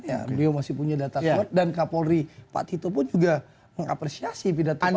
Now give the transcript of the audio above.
beliau masih punya data suat dan kapolri pak tito pun juga mengapresiasi pidato pak jokowi